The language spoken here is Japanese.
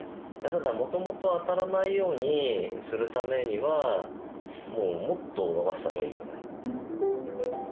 ただもともと当たらないようにするためにはもっと伸ばした方がいいよね。